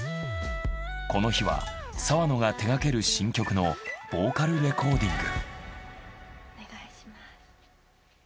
この日は澤野が手がける新曲のボーカルレコーディング。